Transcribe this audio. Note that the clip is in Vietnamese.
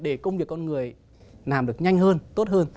để công việc con người làm được nhanh hơn tốt hơn